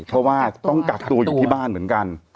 เพราะว่าต้องกักตัวอยู่ที่บ้านเหมือนกัน